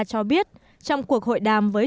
cho biết trong cuộc hội đàm với